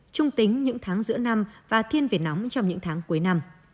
trung tính những tháng giữa năm và thiên về nóng trong những tháng cuối năm